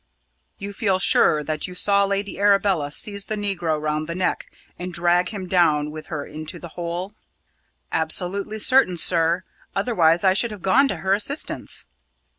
"You feel sure that you saw Lady Arabella seize the negro round the neck, and drag him down with her into the hole?" "Absolutely certain, sir, otherwise I should have gone to her assistance."